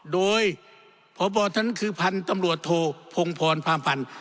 โดยพบทั้งคือพันธ์ตำรวจโทษพงภรพาพันธ์